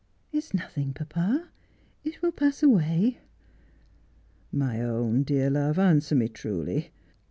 It's nothing, papa. It will pass away.' 'My own dear love, answer me truly.